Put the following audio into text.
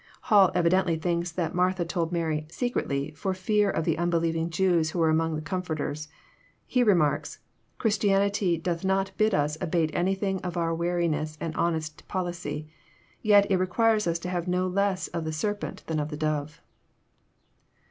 Hall evidently thinks that Martha told Mary secretly, for fear of the unbelieving Jews who were among the comforters He remarks :Christianity doth not bid us abate anything of our wariness and honest policy : yea, it requires us to have no less of the serpent than of the dove.'